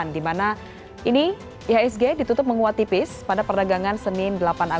di mana ini ihsg ditutup menguat tipis pada perdagangan senin